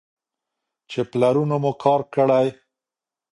چې پلرونو مو کار کړی.